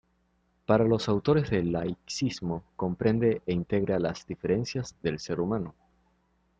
Para los autores el laicismo comprende e integra las diferencias del ser humano.